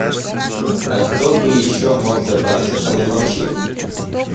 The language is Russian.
А кто бы еще мог забраться ко мне ночью?